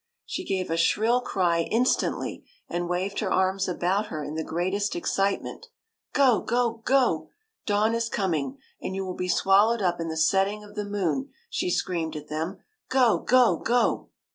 She gave a shrill cry instantly, and waved her arms about her in the greatest excitement. " Go, go, go ! Dawn is coming, and you will be swallowed up in the setting of the moon," she screamed at them. " Go, go, go